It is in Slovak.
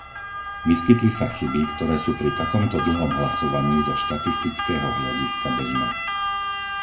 Vyskytli sa chyby, ktoré sú pri takomto dlhom hlasovaní zo štatistického hľadiska bežné.